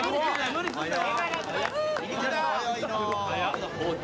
無理すんなよ。